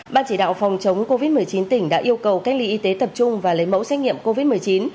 ban chỉ đạo phòng chống covid một mươi chín tỉnh đã yêu cầu cách ly y tế tập trung và lấy mẫu xét nghiệm covid một mươi chín